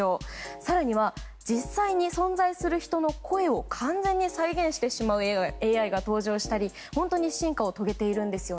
更に、実際に存在する人の声を完全に再現してしまうＡＩが登場したり本当に進化を遂げているんです。